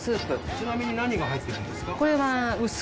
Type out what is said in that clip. ちなみに何が入ってるんですか？